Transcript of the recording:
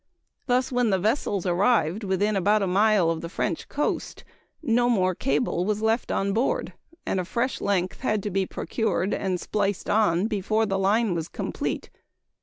Thus when the vessels arrived within about a mile of the French coast no more cable was left on board, and a fresh length had to be procured and spliced on before the line was complete.